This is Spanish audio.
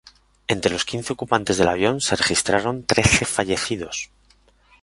Entre los quince ocupantes del avión, se registraron trece fallecidos.